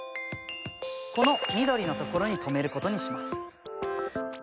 この緑の所に止めることにします。